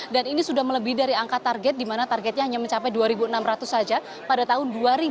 dan ini sudah melebih dari angka target dimana targetnya hanya mencapai dua ribu enam ratus saja pada tahun dua ribu sembilan belas